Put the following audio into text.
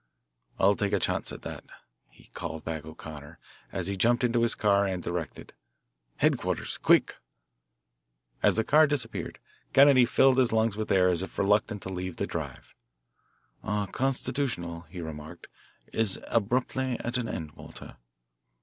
"I'll take a chance at that," called back O'Connor as he jumped into his car and directed, "Headquarters, quick." As the car disappeared, Kennedy filled his lungs with air as if reluctant to leave the drive. "Our constitutional," he remarked, "is abruptly at an end, Walter."